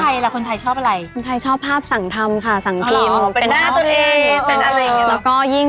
อย่างนี้ต่างชาติจะชอบแบบนี้